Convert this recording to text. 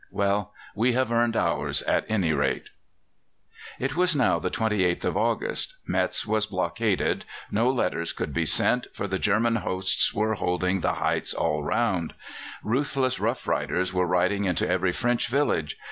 Well, we have earned ours, at any rate." It was now the 28th of August. Metz was blockaded. No letters could be sent, for the German hosts were holding the heights all round. Ruthless rough riders were riding into every French village.